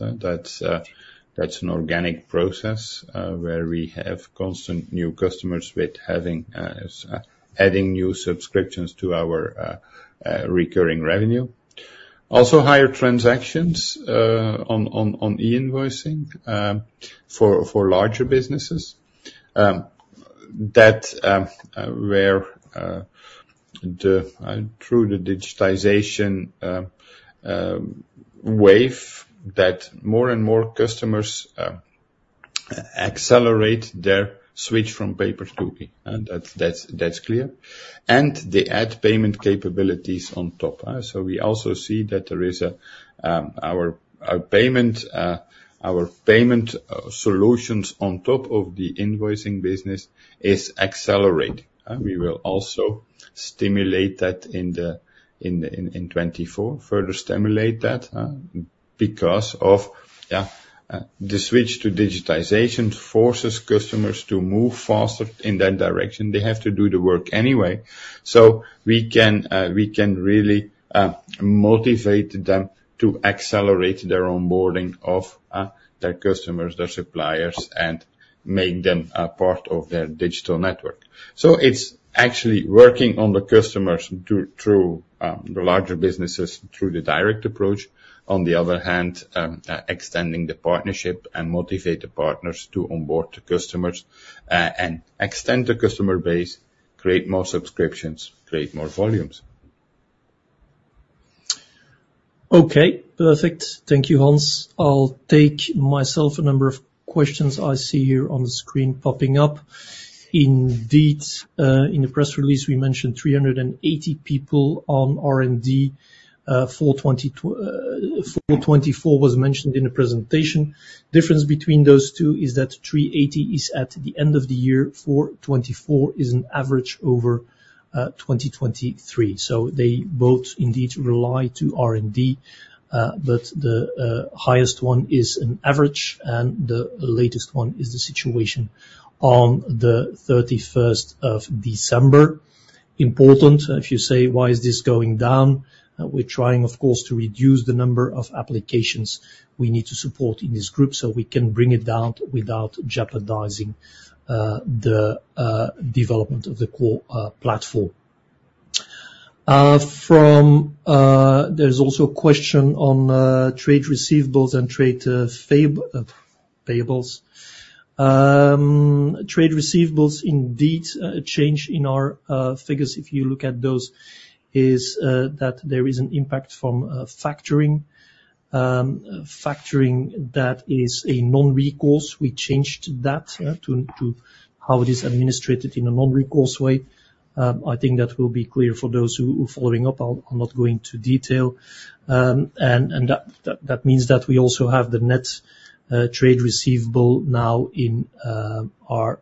That's an organic process, where we have constant new customers with having adding new subscriptions to our recurring revenue. Also higher transactions on e-invoicing for larger businesses through the digitization wave that more and more customers accelerate their switch from paper to e-commerce, that's clear, and then add payment capabilities on top, so we also see that there is our payment solutions on top of the invoicing business is accelerating, we will also stimulate that in 2024, further stimulate that, because yeah, the switch to digitization forces customers to move faster in that direction, they have to do the work anyway, so we can really motivate them to accelerate their onboarding of their customers, their suppliers, and make them part of their digital network. So it's actually working on the customers through the larger businesses through the direct approach. On the other hand, extending the partnership and motivate the partners to onboard the customers, and extend the customer base, create more subscriptions, create more volumes. Okay, perfect, thank you Hans. I'll take myself a number of questions I see here on the screen popping up. Indeed, in the press release we mentioned 380 people on R&D. For 2024, for 2024 was mentioned in the presentation. Difference between those two is that 380 is at the end of the year, for 2024 is an average over 2023, so they both indeed relate to R&D, but the highest one is an average and the latest one is the situation on the 31st of December. Important, if you say why is this going down, we're trying of course to reduce the number of applications we need to support in this group so we can bring it down without jeopardizing the development of the core platform. From, there's also a question on trade receivables and trade payables. Trade receivables indeed, a change in our figures if you look at those is that there is an impact from factoring, factoring that is a non-recourse. We changed that to how it is administered in a non-recourse way. I think that will be clear for those who are following up. I'm not going to detail, and that means that we also have the net trade receivable now in our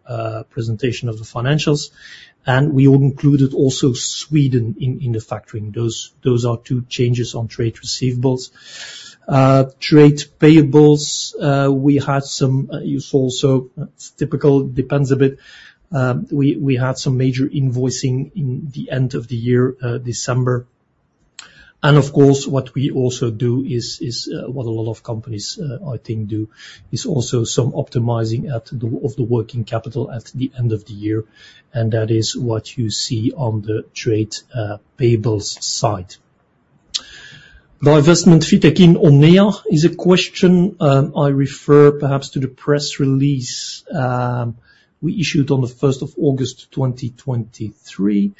presentation of the financials, and we all included also Sweden in the factoring. Those are two changes on trade receivables. Trade payables, we had some. You saw also, it's typical, depends a bit. We had some major invoicing in the end of the year, December, and of course what we also do is what a lot of companies, I think, do is also some optimizing at the end of the working capital at the end of the year, and that is what you see on the trade payables side. Divestment FitekIN ONEA is a question. I refer perhaps to the press release we issued on the 1st of August 2023.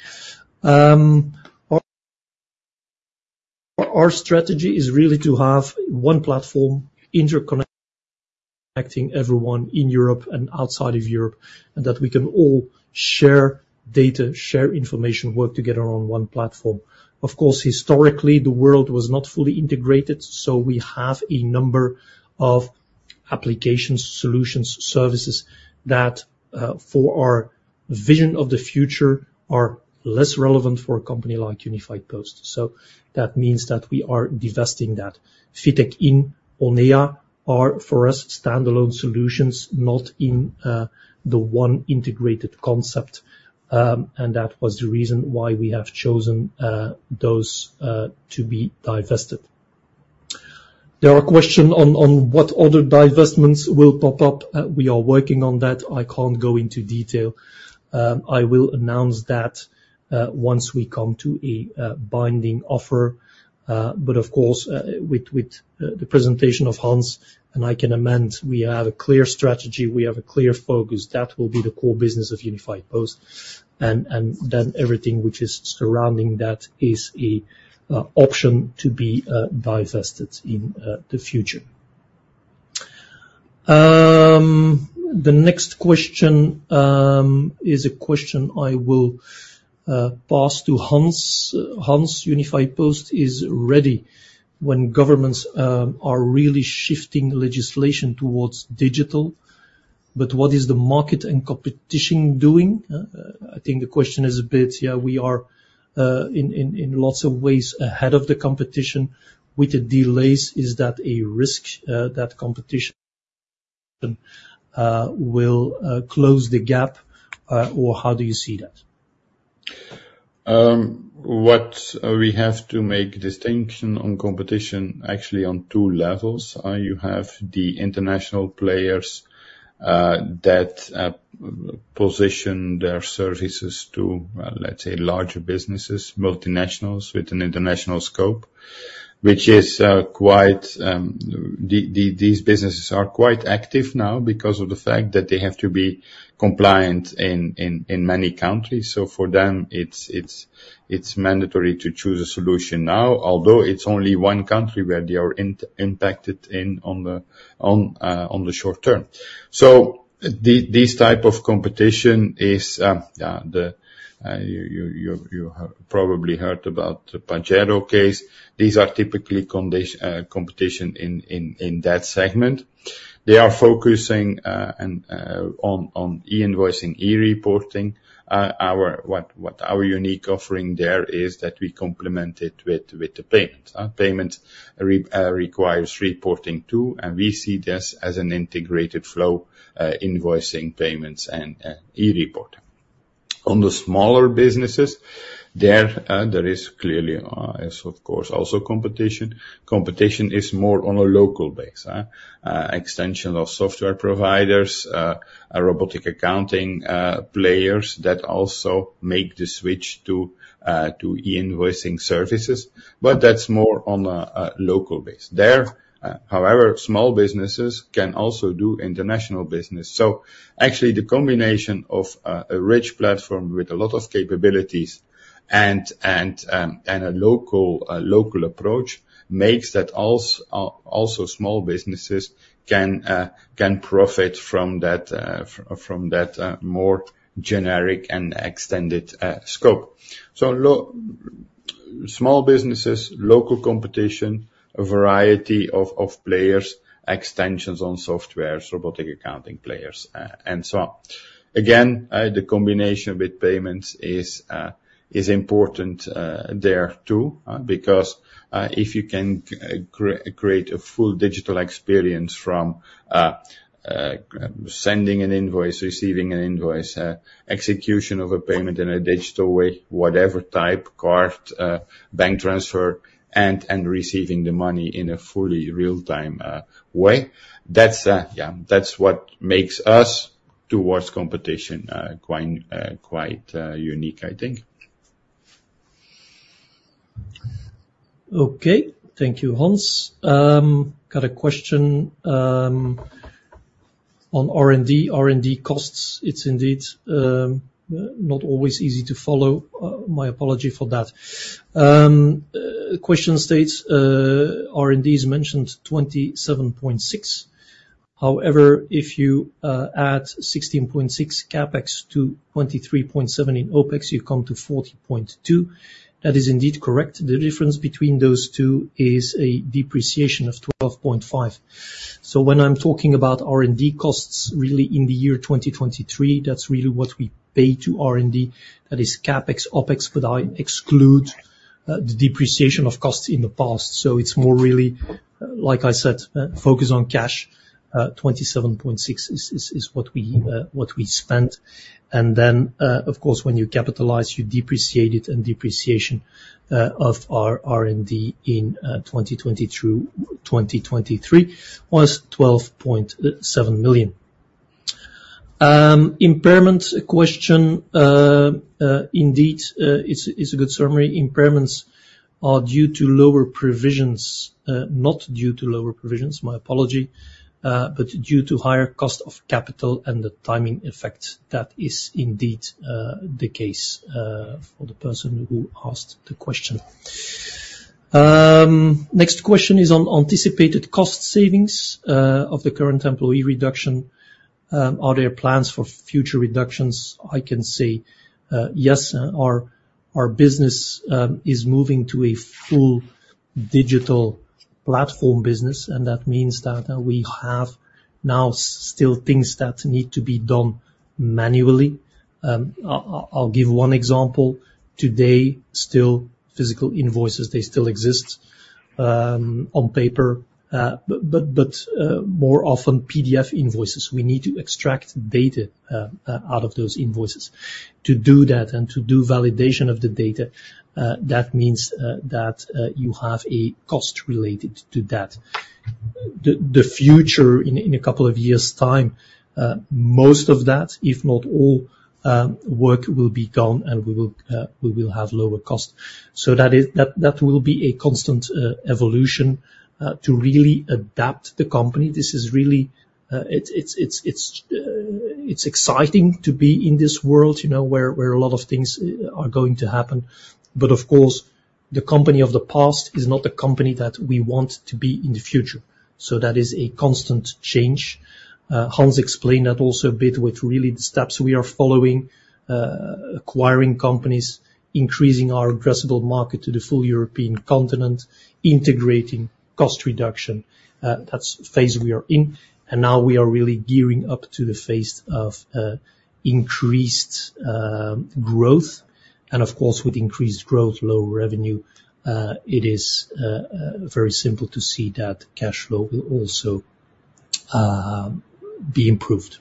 Our strategy is really to have one platform interconnecting everyone in Europe and outside of Europe, and that we can all share data, share information, work together on one platform. Of course, historically the world was not fully integrated, so we have a number of applications, solutions, services that, for our vision of the future, are less relevant for a company like Unifiedpost, so that means that we are divesting that. FitekIN and ONEA are for us standalone solutions, not in the one integrated concept, and that was the reason why we have chosen those to be divested. There are questions on what other divestments will pop up, we are working on that, I can't go into detail, I will announce that once we come to a binding offer, but of course, with the presentation of Hans and I can amend, we have a clear strategy, we have a clear focus, that will be the core business of Unifiedpost, and then everything which is surrounding that is an option to be divested in the future. The next question is a question I will pass to Hans. Hans, Unifiedpost is ready when governments are really shifting legislation towards digital, but what is the market and competition doing? I think the question is a bit, yeah, we are in lots of ways ahead of the competition. With the delays, is that a risk that competition will close the gap, or how do you see that? We have to make distinction on competition actually on two levels. You have the international players that position their services to, let's say, larger businesses, multinationals with an international scope, which is quite the—these businesses are quite active now because of the fact that they have to be compliant in many countries, so for them it's mandatory to choose a solution now, although it's only one country where they are impacted in the short term. So, these type of competition is, yeah, you have probably heard about the Pagero case. These are typical competitors in that segment. They are focusing on e-invoicing, e-reporting. Our unique offering there is that we complement it with the payments. Payments requires reporting too, and we see this as an integrated flow, invoicing, payments, and e-reporting. On the smaller businesses, there is clearly, of course, also competition. Competition is more on a local base, extension of software providers, robotic accounting, players that also make the switch to e-invoicing services, but that's more on a local base. However, small businesses can also do international business, so actually the combination of a rich platform with a lot of capabilities and a local approach makes that also small businesses can profit from that more generic and extended scope. So, for small businesses, local competition, a variety of of players, extensions on softwares, robotic accounting players, and so on. Again, the combination with payments is important, there too, because if you can create a full digital experience from sending an invoice, receiving an invoice, execution of a payment in a digital way, whatever type, card, bank transfer, and receiving the money in a fully real-time way, that's, yeah, that's what makes us towards competition, quite unique, I think. Okay, thank you Hans, got a question on R&D, R&D costs, it's indeed not always easy to follow, my apology for that. The question states, R&D is mentioned 27.6, however if you add 16.6 CapEx to 23.7 in OpEx you come to 40.2, that is indeed correct, the difference between those two is a depreciation of 12.5. So when I'm talking about R&D costs really in the year 2023, that's really what we pay to R&D, that is CapEx, OpEx, but I exclude the depreciation of costs in the past, so it's more really, like I said, focus on cash, 27.6 million is what we spent, and then, of course when you capitalize you depreciate it and depreciation of our R&D in 2020 through 2023 was 12.7 million. Impairment question, indeed, it's a good summary, impairments are due to lower provisions, not due to lower provisions, my apology, but due to higher cost of capital and the timing effect, that is indeed the case for the person who asked the question. Next question is on anticipated cost savings of the current employee reduction, are there plans for future reductions? I can say, yes, our business is moving to a full digital platform business, and that means that we have now still things that need to be done manually. I'll give one example. Today, still physical invoices. They still exist on paper, but more often PDF invoices. We need to extract data out of those invoices. To do that and to do validation of the data, that means you have a cost related to that. The future, in a couple of years' time, most of that, if not all, work will be gone, and we will have lower cost. So that is that will be a constant evolution to really adapt the company. This is really it is exciting to be in this world, you know, where a lot of things are going to happen, but of course the company of the past is not the company that we want to be in the future, so that is a constant change. Hans explained that also a bit with really the steps we are following, acquiring companies, increasing our addressable market to the full European continent, integrating cost reduction. That's the phase we are in, and now we are really gearing up to the phase of increased growth, and of course with increased growth, lower revenue, it is very simple to see that cash flow will also be improved.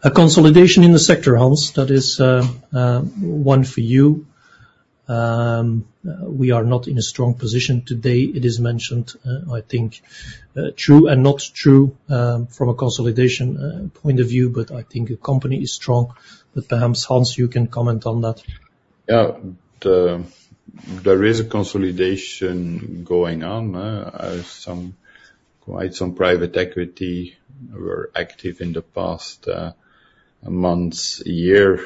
A consolidation in the sector, Hans, that is, one for you, we are not in a strong position today, it is mentioned, I think, true and not true, from a consolidation point of view, but I think the company is strong, but perhaps Hans you can comment on that. Yeah, there is a consolidation going on, quite some private equity were active in the past months, year,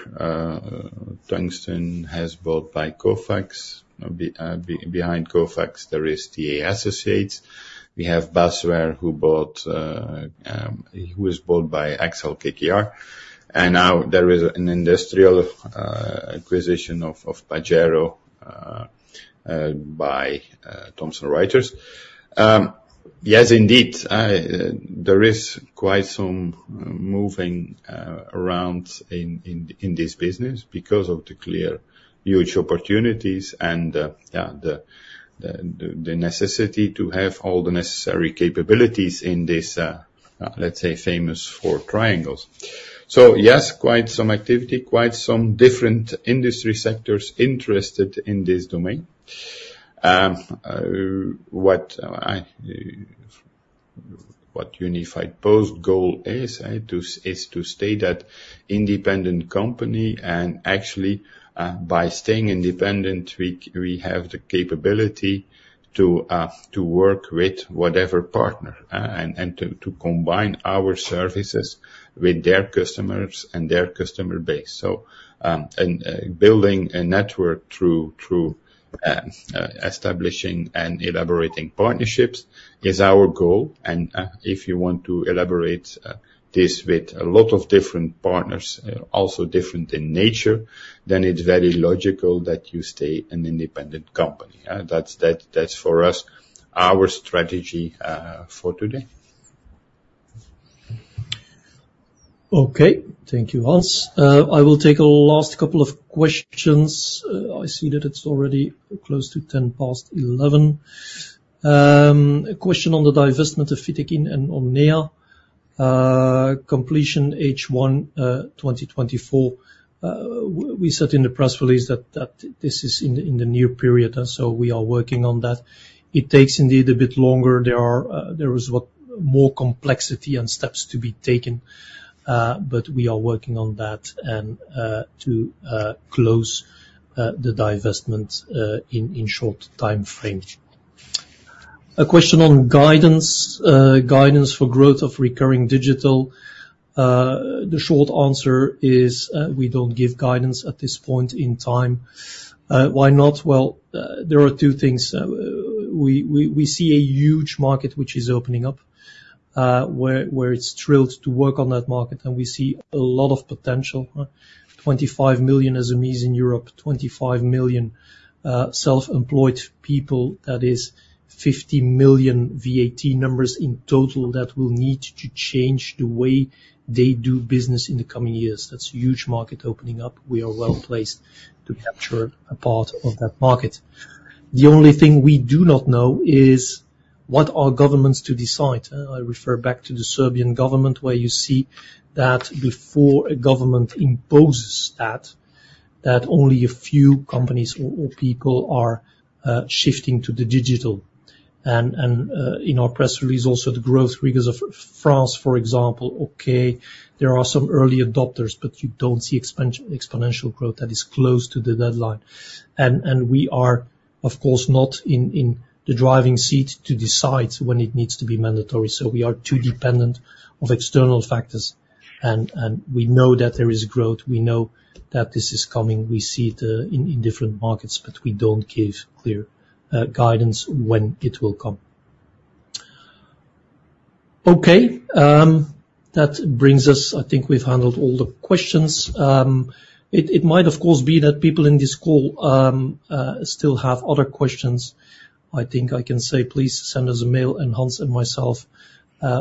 Tungsten has bought by Kofax, behind Kofax there is TA Associates, we have Basware who bought, who is bought by Accel-KKR, and now there is an industrial acquisition of Pagero by Thomson Reuters. Yes indeed, there is quite some moving around in this business because of the clear huge opportunities and yeah, the necessity to have all the necessary capabilities in this, let's say famous four triangles. So yes, quite some activity, quite some different industry sectors interested in this domain. What Unifiedpost's goal is to stay that independent company and actually, by staying independent we have the capability to work with whatever partner, and to combine our services with their customers and their customer base. So, building a network through establishing and elaborating partnerships is our goal, and if you want to elaborate this with a lot of different partners, also different in nature, then it's very logical that you stay an independent company, that's for us our strategy for today. Okay, thank you Hans. I will take a last couple of questions. I see that it's already close to 11:10 A.M. A question on the divestment of FitekIN and ONEA, completion H1 2024, we said in the press release that this is in the near period, so we are working on that. It takes indeed a bit longer, there is more complexity and steps to be taken, but we are working on that and to close the divestment in a short time frame. A question on guidance for growth of recurring digital, the short answer is, we don't give guidance at this point in time. Why not? Well, there are two things, we see a huge market which is opening up, where it's thrilled to work on that market and we see a lot of potential, 25 million SMEs in Europe, 25 million self-employed people, that is 50 million VAT numbers in total that will need to change the way they do business in the coming years, that's a huge market opening up, we are well placed to capture a part of that market. The only thing we do not know is what are governments to decide, I refer back to the Serbian government where you see that before a government imposes that, only a few companies or people are shifting to the digital. In our press release, also the growth figures of France, for example, okay, there are some early adopters but you don't see exponential growth that is close to the deadline. We are of course not in the driving seat to decide when it needs to be mandatory, so we are too dependent on external factors and we know that there is growth, we know that this is coming, we see it in different markets but we don't give clear guidance when it will come. Okay, that brings us. I think we've handled all the questions. It might of course be that people in this call still have other questions. I think I can say please send us a mail and Hans and myself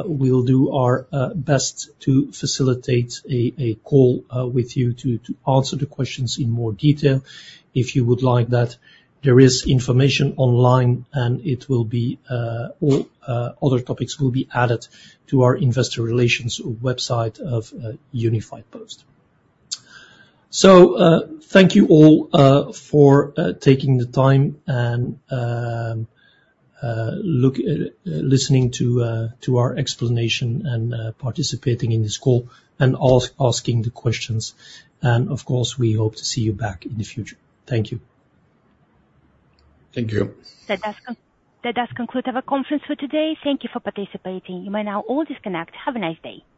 we'll do our best to facilitate a call with you to answer the questions in more detail if you would like that. There is information online and all other topics will be added to our investor relations website of Unifiedpost. So, thank you all for taking the time and listening to our explanation and participating in this call and asking the questions, and of course we hope to see you back in the future. Thank you. Thank you. That does conclude our conference for today. Thank you for participating. You may now all disconnect. Have a nice day.